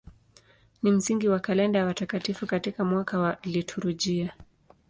Ni msingi wa kalenda ya watakatifu katika mwaka wa liturujia.